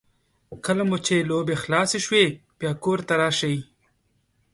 کله مو چې لوبې خلاصې شوې بیا کور ته راشئ.